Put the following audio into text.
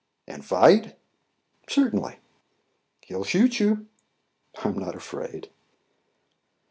"And fight?" "Certainly." "He'll shoot you." "I'm not afraid."